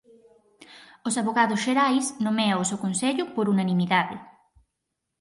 Os avogados xerais noméaos o Consello por unanimidade.